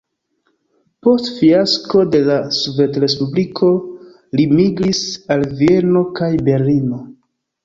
Post fiasko de la sovetrespubliko li migris al Vieno kaj Berlino.